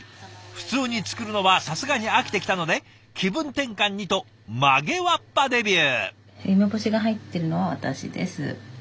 普通に作るのはさすがに飽きてきたので気分転換にと曲げわっぱデビュー。